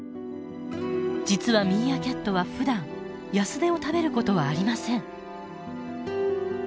実はミーアキャットはふだんヤスデを食べることはありません。